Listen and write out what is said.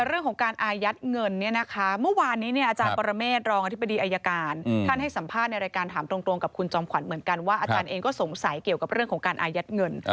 เรื่องของการอายัดเงินเนี่ยนะคะเมื่อวานนี้เนี่ยอาจารย์ปรเมฆรองอธิบดีอายการท่านให้สัมภาษณ์ในรายการถามตรงกับคุณจอมขวัญเหมือนกันว่าอาจารย์เองก็สงสัยเกี่ยวกับเรื่องของการอายัดเงิน